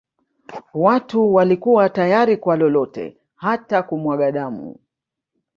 Watu walikuwa tayari kwa lolote hata kumwaga damu